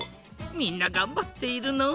みんながんばっているのう。